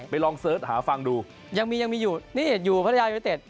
ไปลองเสิร์ชหาฟังดูยังมีอยู่นี่อยู่พัทธยาวิทยาวิทยาเต็ด